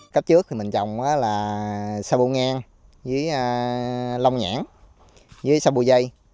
cấp trước mình trồng là xa bô ngang với lông nhãn với xa bô dây